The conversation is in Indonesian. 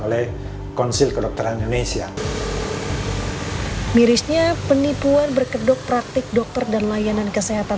oleh konsil kedokteran indonesia mirisnya penipuan berkedok praktik dokter dan layanan kesehatan